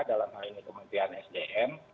dalam hal ini kementerian sdm